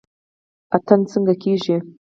اتن څنګه کیږي؟